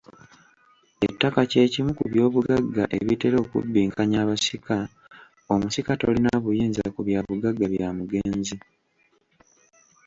Ettaka ky'ekimu ku by'obugagga ebitera okubbinkanya abasika. Omusika tolina buyinza ku byabugagga bya mugenzi.